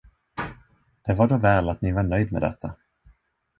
Det var då väl, att ni var nöjd med detta.